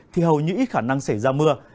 thì hầu như ít khả năng xảy ra mưa